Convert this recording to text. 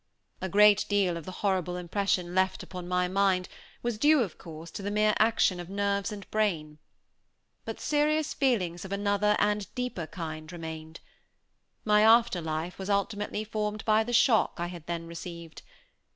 A great deal of the horrible impression left upon my mind was due, of course, to the mere action of nerves and brain. But serious feelings of another and deeper kind remained. My afterlife was ultimately formed by the shock I had then received.